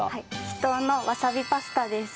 秘湯のわさびパスタです。